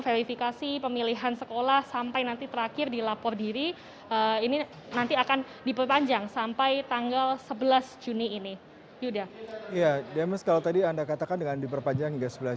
verifikasi pemilihan sekolah sampai nanti terakhir dilapor diri ini nanti akan diperpanjang sampai